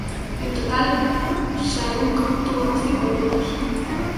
En total, Shahrukh tuvo cinco hijos.